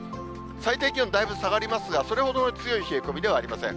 最低気温、だいぶ下がりますが、それほど強い冷え込みではありません。